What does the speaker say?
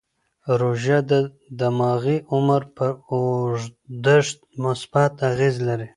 روژه د دماغي عمر پر اوږدښت مثبت اغېز لري.